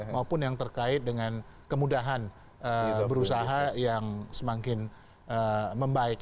maupun yang terkait dengan kemudahan berusaha yang semakin membaik